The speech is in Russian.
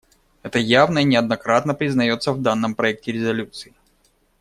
Это явно и неоднократно признается в данном проекте резолюции.